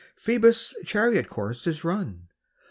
Phoebus' chariot course is run